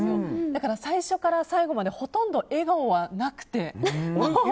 だから、最初から最後までほとんど笑顔はなくて。